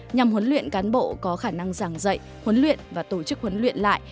nhằm huấn luyện cán bộ có khả năng giảng dạy huấn luyện và tổ chức huấn luyện lại